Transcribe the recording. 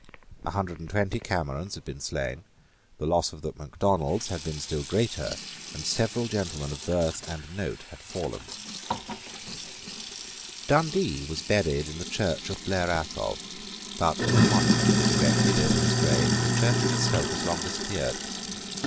A hundred and twenty Camerons had been slain: the loss of the Macdonalds had been still greater; and several gentlemen of birth and note had fallen, Dundee was buried in the church of Blair Athol: but no monument was erected over his grave; and the church itself has long disappeared.